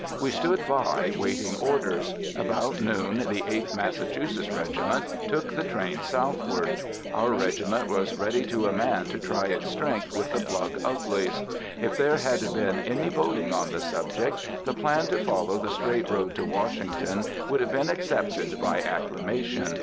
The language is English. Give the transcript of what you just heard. We stood by, waiting orders. About noon the Eighth Massachusetts Regiment took the train southward. Our regiment was ready to a man to try its strength with the Plug Uglies. If there had been any voting on the subject, the plan to follow the straight road to Washington would have been accepted by acclamation.